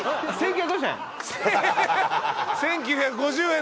１，９５０円！？